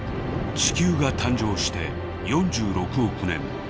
地球が誕生して４６億年。